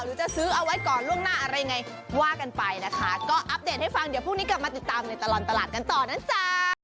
หรือจะซื้อเอาไว้ก่อนล่วงหน้าอะไรยังไงว่ากันไปนะคะก็อัปเดตให้ฟังเดี๋ยวพรุ่งนี้กลับมาติดตามในตลอดตลาดกันต่อนะจ๊ะ